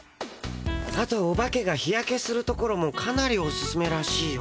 あとオバケが日やけするところもかなりオススメらしいよ。